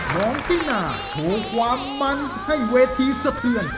น้องตินาโชว์ความมันให้เวทีสะเทือน